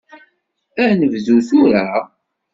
Ad nedbu tura?